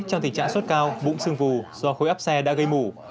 trong tình trạng suốt cao bụng xương vù do khối ấp xe đã gây mủ